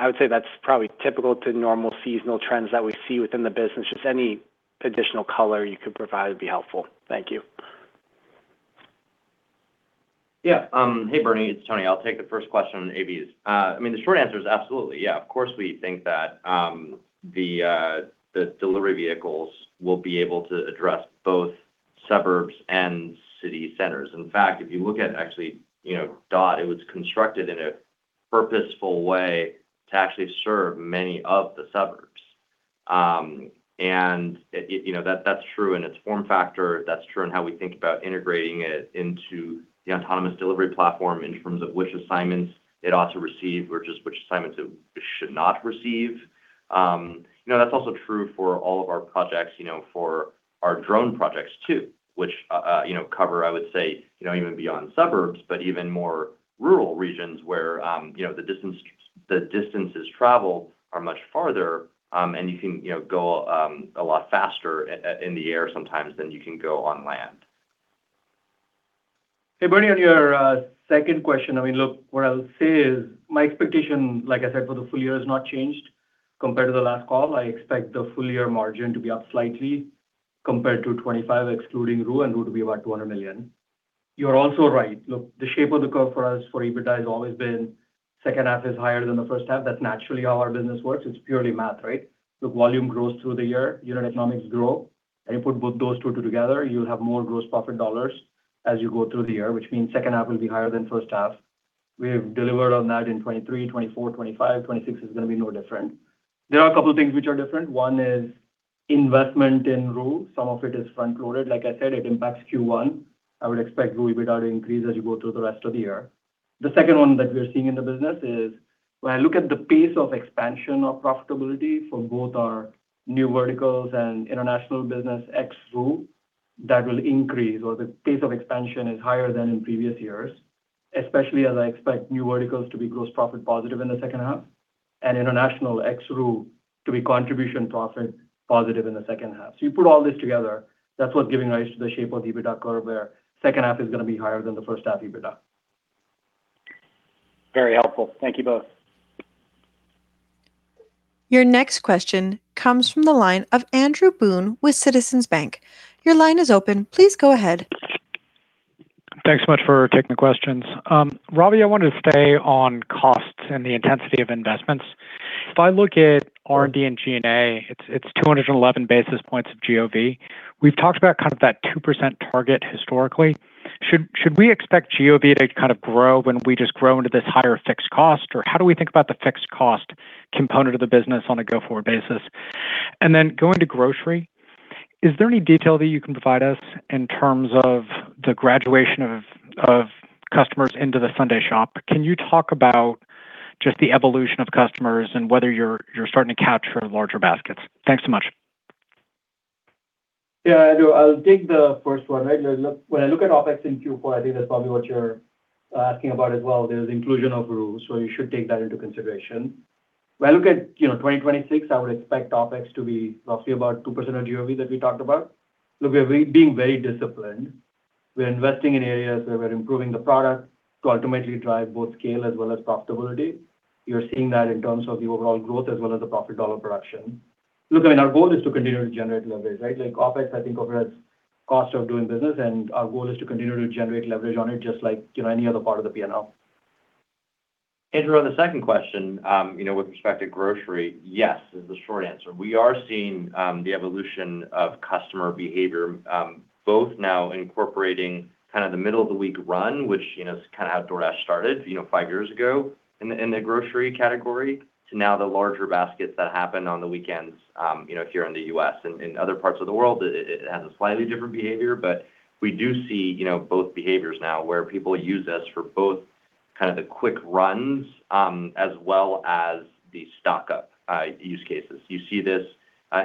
would say that's probably typical to normal seasonal trends that we see within the business. Just any additional color you could provide would be helpful. Thank you. Yeah. Hey, Bernie, it's Tony. I'll take the first question on AVs. I mean, the short answer is absolutely, yeah. Of course, we think that the delivery vehicles will be able to address both suburbs and city centers. In fact, if you look at actually, you know, Dot, it was constructed in a purposeful way to actually serve many of the suburbs. And, it, you know, that, that's true in its form factor. That's true in how we think about integrating it into the autonomous delivery platform in terms of which assignments it ought to receive or just which assignments it should not receive. You know, that's also true for all of our projects, you know, for our drone projects too, which, you know, cover, I would say, you know, even beyond suburbs, but even more rural regions where, you know, the distance, the distances traveled are much farther, and you can, you know, go, a lot faster in the air sometimes than you can go on land. Hey, Bernie, on your second question, I mean, look, what I'll say is my expectation, like I said, for the full-year, has not changed compared to the last call. I expect the full-year margin to be up slightly compared to 2025, excluding Deliveroo, and Deliveroo to be about $200 million. You're also right. Look, the shape of the curve for us, for EBITDA, has always been second half is higher than the first half. That's naturally how our business works. It's purely math, right? The volume grows through the year, unit economics grow, and you put both those two together, you'll have more gross profit dollars as you go through the year, which means second half will be higher than first half. We have delivered on that in 2023, 2024, 2025, 2026 is going to be no different. There are a couple of things which are different. One is investment in Deliveroo. Some of it is front-loaded. Like I said, it impacts Q1. I would expect Deliveroo EBITDA to increase as you go through the rest of the year. The second one that we are seeing in the business is when I look at the pace of expansion of profitability for both our new verticals and international business ex Deliveroo, that will increase, or the pace of expansion is higher than in previous years, especially as I expect new verticals to be gross profit positive in the second half, and international ex Deliveroo to be contribution profit positive in the second half. So you put all this together, that's what's giving rise to the shape of the EBITDA curve, where second half is going to be higher than the first half EBITDA. Very helpful. Thank you both. Your next question comes from the line of Andrew Boone with Citizens Bank. Your line is open. Please go ahead. Thanks so much for taking the questions. Ravi, I wanted to stay on costs and the intensity of investments. If I look at R&D and G&A, it's 211 basis points of GOV. We've talked about kind of that 2% target historically. Should we expect GOV to kind of grow when we just grow into this higher fixed cost? Or how do we think about the fixed cost component of the business on a go-forward basis? And then going to grocery, is there any detail that you can provide us in terms of the graduation of customers into the Sunday shop? Can you talk about just the evolution of customers and whether you're starting to capture larger baskets? Thanks so much. Yeah, I do. I'll take the first one, right? When I look at OpEx in Q4, I think that's probably what you're asking about as well. There's inclusion of Deliveroo, so you should take that into consideration. When I look at, you know, 2026, I would expect OpEx to be roughly about 2% of GOV that we talked about. Look, we're being very disciplined. We're investing in areas where we're improving the product to ultimately drive both scale as well as profitability. You're seeing that in terms of the overall growth as well as the profit dollar production. Look, I mean, our goal is to continue to generate leverage, right? Like OpEx, I think of it as cost of doing business, and our goal is to continue to generate leverage on it, just like, you know, any other part of the P&L. Andrew, on the second question, you know, with respect to grocery, yes, is the short answer. We are seeing the evolution of customer behavior, both now incorporating kind of the middle-of-the-week run, which, you know, is kind of how DoorDash started, you know, five years ago in the grocery category, to now the larger baskets that happen on the weekends, you know, here in the U.S. And in other parts of the world, it has a slightly different behavior. But we do see, you know, both behaviors now, where people use us for both kind of the quick runs, as well as the stock-up use cases. You see this,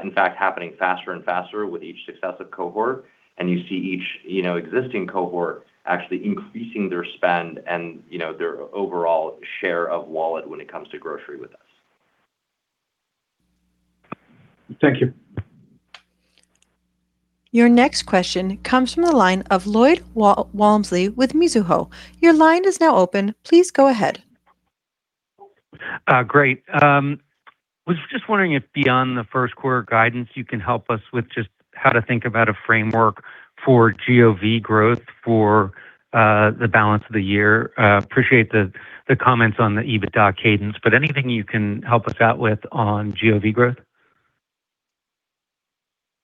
in fact, happening faster and faster with each successive cohort, and you see each, you know, existing cohort actually increasing their spend and, you know, their overall share of wallet when it comes to grocery with us. Thank you. Your next question comes from the line of Lloyd Walmsley with Mizuho. Your line is now open. Please go ahead. Great. Was just wondering if beyond the first quarter guidance, you can help us with just how to think about a framework for GOV growth for the balance of the year. Appreciate the, the comments on the EBITDA cadence, but anything you can help us out with on GOV growth?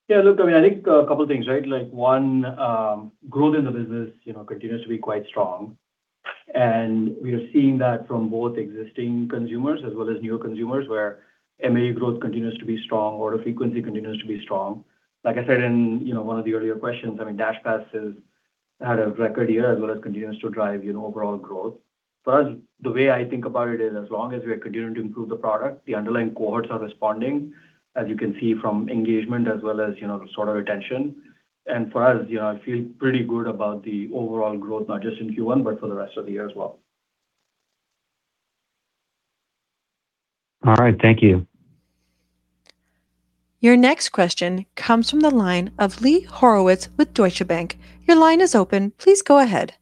Yeah, look, I mean, I think a couple of things, right? Like, one, growth in the business, you know, continues to be quite strong. And we are seeing that from both existing consumers as well as new consumers, where MAU growth continues to be strong, order frequency continues to be strong. Like I said, in, you know, one of the earlier questions, I mean, DashPass has had a record year, as well as continues to drive, you know, overall growth. So the way I think about it is, as long as we are continuing to improve the product, the underlying cohorts are responding, as you can see from engagement as well as, you know, sort of retention. And for us, you know, I feel pretty good about the overall growth, not just in Q1, but for the rest of the year as well. All right. Thank you. Your next question comes from the line of Lee Horowitz with Deutsche Bank. Your line is open. Please go ahead.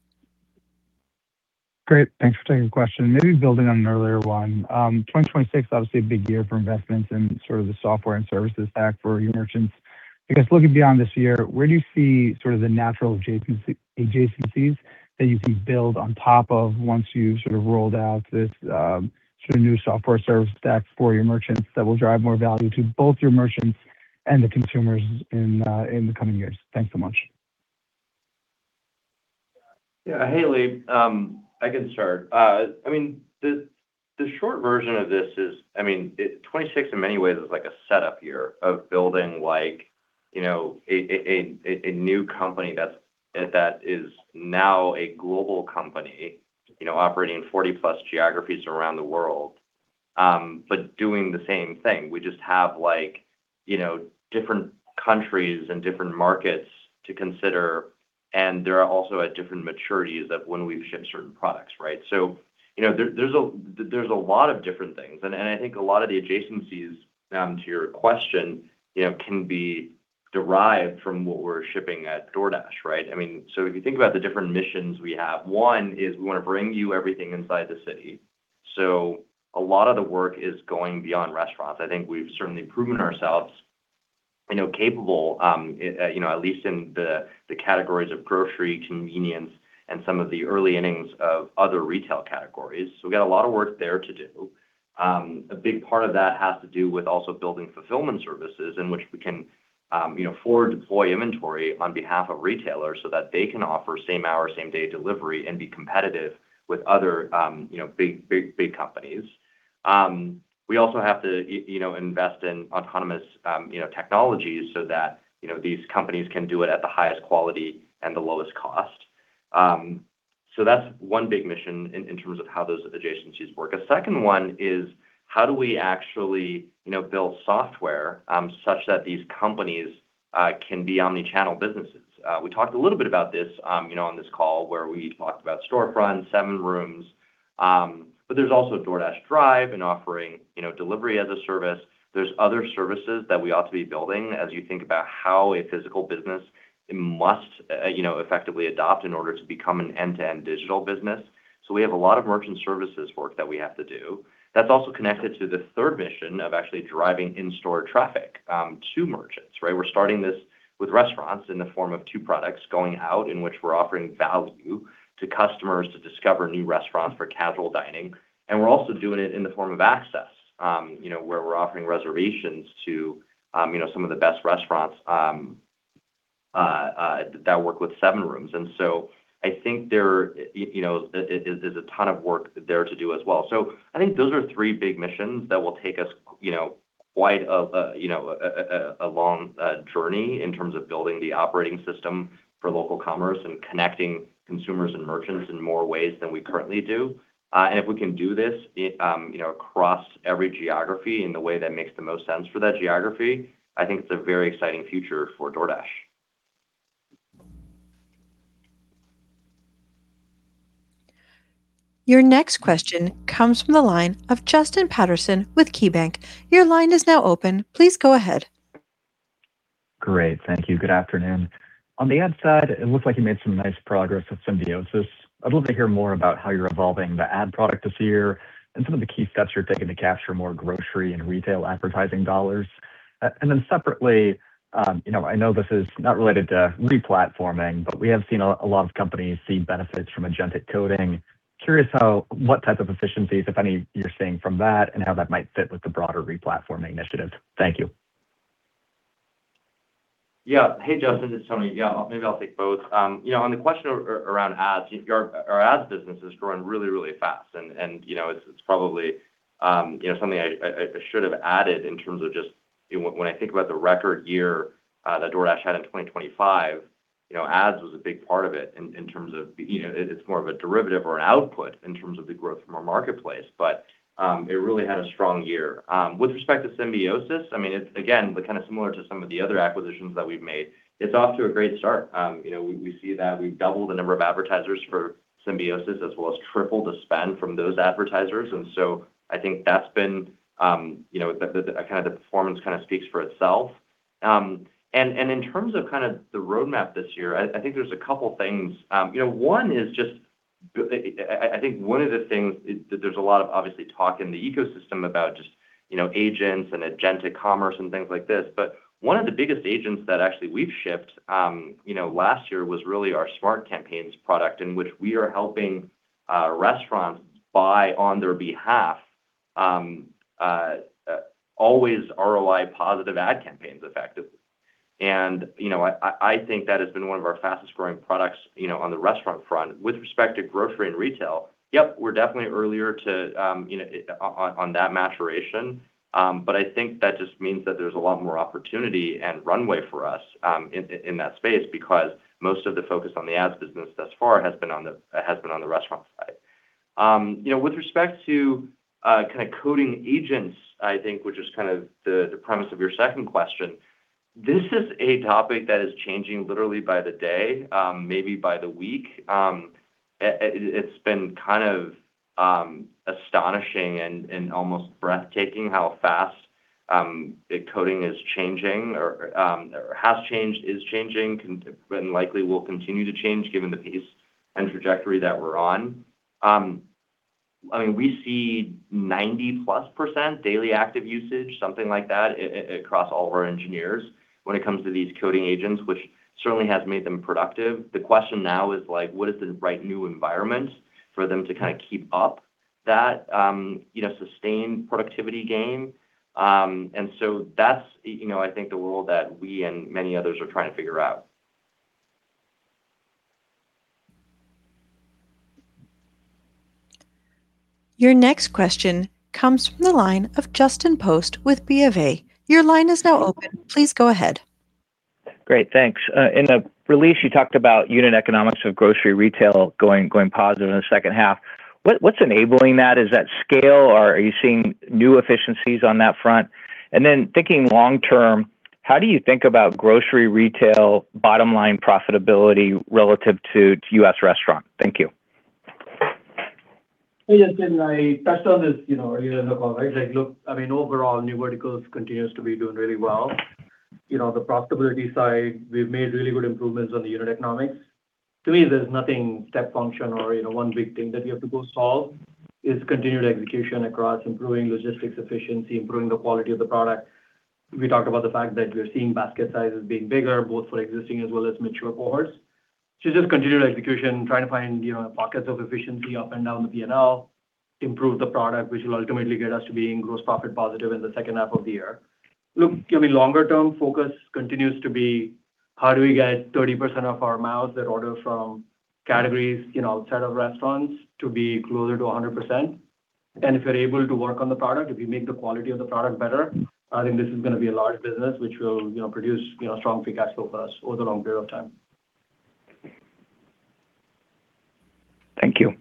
Great. Thanks for taking the question. Maybe building on an earlier one, 2026, obviously a big year for investments in sort of the software and services stack for your merchants. I guess looking beyond this year, where do you see sort of the natural adjacencies that you can build on top of once you've sort of rolled out this, sort of new software service stack for your merchants that will drive more value to both your merchants and the consumers in the coming years? Thanks so much. Yeah. Hey, Lee, I can start. I mean, the short version of this is, I mean, in 2026 in many ways is like a setup year of building, like, you know, a new company that's, that is now a global company, you know, operating in 40+ geographies around the world, but doing the same thing. We just have like, you know, different countries and different markets to consider, and they're also at different maturities of when we've shipped certain products, right? So, you know, there, there's a lot of different things. And I think a lot of the adjacencies to your question, you know, can be derived from what we're shipping at DoorDash, right? I mean, so if you think about the different missions we have, one is we want to bring you everything inside the city. A lot of the work is going beyond restaurants. I think we've certainly proven ourselves, you know, capable, you know, at least in the categories of grocery, convenience, and some of the early innings of other retail categories. We've got a lot of work there to do. A big part of that has to do with also building Fulfillment Services, in which we can, you know, forward deploy inventory on behalf of retailers so that they can offer same-hour, same-day delivery and be competitive with other, you know, big, big, big companies. We also have to, you know, invest in autonomous, you know, technologies so that, you know, these companies can do it at the highest quality and the lowest cost. That's one big mission in terms of how those adjacencies work. A second one is: how do we actually, you know, build software, such that these companies can be omni-channel businesses? We talked a little bit about this, you know, on this call, where we talked about Storefront, SevenRooms, but there's also DoorDash Drive and offering, you know, delivery as a service. There's other services that we ought to be building as you think about how a physical business must, you know, effectively adopt in order to become an end-to-end digital business. So we have a lot of merchant services work that we have to do. That's also connected to the third mission of actually driving in-store traffic to merchants, right? We're starting this with restaurants in the form of two products going out, in which we're offering value to customers to discover new restaurants for casual dining, and we're also doing it in the form of access, you know, where we're offering reservations to, you know, some of the best restaurants that work with SevenRooms. And so I think there, you know, there, there's a ton of work there to do as well. So I think those are three big missions that will take us, you know, quite a long journey in terms of building the operating system for local commerce and connecting consumers and merchants in more ways than we currently do. If we can do this, you know, across every geography in the way that makes the most sense for that geography, I think it's a very exciting future for DoorDash. Your next question comes from the line of Justin Patterson with KeyBanc Capital Markets. Your line is now open. Please go ahead. Great. Thank you. Good afternoon. On the ad side, it looks like you made some nice progress with Symbiosys. I'd love to hear more about how you're evolving the ad product this year and some of the key steps you're taking to capture more grocery and retail advertising dollars. And then separately, you know, I know this is not related to re-platforming, but we have seen a lot of companies see benefits from agentic coding. Curious what type of efficiencies, if any, you're seeing from that and how that might fit with the broader re-platforming initiative. Thank you. Yeah. Hey, Justin, it's Tony. Yeah, maybe I'll take both. You know, on the question around ads, our ads business is growing really, really fast, and you know, it's probably you know, something I should have added in terms of just you know, when I think about the record year that DoorDash had in 2025, you know, ads was a big part of it in terms of you know, it's more of a derivative or an output in terms of the growth from our marketplace, but it really had a strong year. With respect to Symbiosys, I mean, it again, kind of similar to some of the other acquisitions that we've made, it's off to a great start. You know, we see that we've doubled the number of advertisers for Symbiosys, as well as tripled the spend from those advertisers, and I think that's been, you know, the kind of performance kind of speaks for itself. In terms of kind of the roadmap this year, I think there's a couple things. You know, one is just, I think one of the things is that there's a lot of obviously talk in the ecosystem about just, you know, agents and agentic commerce and things like this. One of the biggest agents that actually we've shipped last year was really our Smart Campaigns product, in which we are helping restaurants buy on their behalf, always ROI positive ad campaigns, effectively. You know, I think that has been one of our fastest growing products, you know, on the restaurant front. With respect to grocery and retail, yep, we're definitely earlier to, you know, on that maturation, but I think that just means that there's a lot more opportunity and runway for us, in that space, because most of the focus on the ads business thus far has been on the restaurant side. You know, with respect to, kind of coding agents, I think, which is kind of the premise of your second question, this is a topic that is changing literally by the day, maybe by the week. It's been kind of astonishing and almost breathtaking how fast the coding is changing or has changed, is changing, and likely will continue to change, given the pace and trajectory that we're on. I mean, we see 90%+ daily active usage, something like that, across all of our engineers when it comes to these coding agents, which certainly has made them productive. The question now is, like, what is the right new environment for them to kind of keep up that, you know, sustained productivity gain? And so that's, you know, I think the role that we and many others are trying to figure out. Your next question comes from the line of Justin Post with Bank of America. Your line is now open. Please go ahead. Great, thanks. In the release, you talked about unit economics of grocery retail going positive in the second half. What, what's enabling that? Is that scale, or are you seeing new efficiencies on that front? And then thinking long term, how do you think about grocery retail bottom-line profitability relative to U.S. restaurant? Thank you. Hey, Justin, I touched on this, you know, earlier in the call, right? Like, look, I mean, overall, new verticals continues to be doing really well. You know, the profitability side, we've made really good improvements on the unit economics.... To me, there's nothing step function or, you know, one big thing that we have to go solve. It's continued execution across improving logistics efficiency, improving the quality of the product. We talked about the fact that we're seeing basket sizes being bigger, both for existing as well as mature cohorts. So just continued execution, trying to find, you know, pockets of efficiency up and down the P&L, improve the product, which will ultimately get us to being gross profit positive in the second half of the year. Look, I mean, longer term focus continues to be how do we get 30% of our MAUs that order from categories, you know, outside of restaurants to be closer to 100%? If we're able to work on the product, if we make the quality of the product better, I think this is gonna be a large business, which will, you know, produce, you know, strong free cash flow for us over a long period of time. Thank you.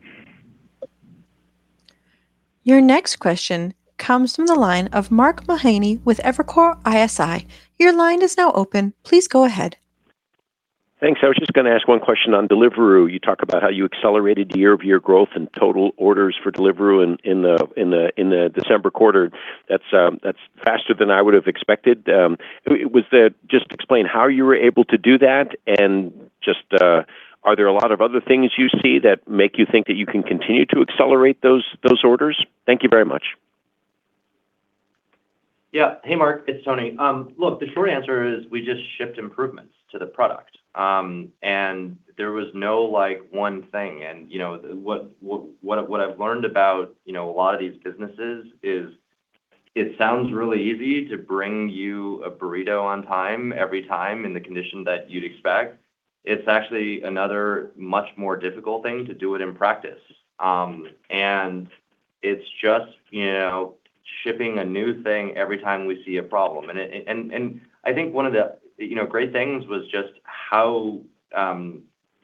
Your next question comes from the line of Mark Mahaney with Evercore ISI. Your line is now open. Please go ahead. Thanks. I was just gonna ask one question on Deliveroo. You talk about how you accelerated year-over-year growth and total orders for Deliveroo in the December quarter. That's faster than I would have expected. Was that... Just explain how you were able to do that, and just, are there a lot of other things you see that make you think that you can continue to accelerate those orders? Thank you very much. Yeah. Hey, Mark, it's Tony. Look, the short answer is we just shipped improvements to the product. And there was no, like, one thing. And, you know, what I've learned about, you know, a lot of these businesses is it sounds really easy to bring you a burrito on time, every time in the condition that you'd expect. It's actually another much more difficult thing to do it in practice. And it's just, you know, shipping a new thing every time we see a problem. And I think one of the, you know, great things was just how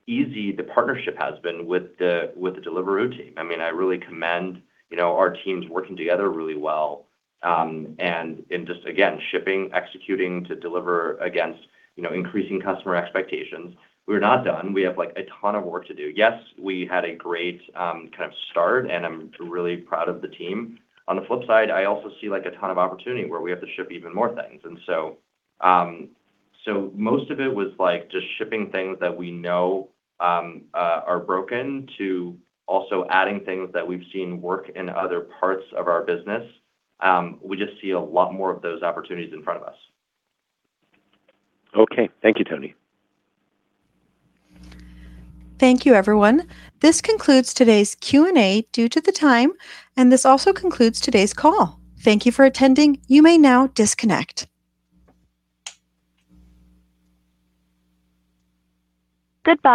easy the partnership has been with the Deliveroo team. I mean, I really commend, you know, our teams working together really well, and in just, again, shipping, executing to deliver against, you know, increasing customer expectations. We're not done. We have, like, a ton of work to do. Yes, we had a great kind of start, and I'm really proud of the team. On the flip side, I also see, like, a ton of opportunity where we have to ship even more things. And so, most of it was like just shipping things that we know are broken to also adding things that we've seen work in other parts of our business. We just see a lot more of those opportunities in front of us. Okay. Thank you, Tony. Thank you, everyone. This concludes today's Q&A due to the time, and this also concludes today's call. Thank you for attending. You may now disconnect. Goodbye.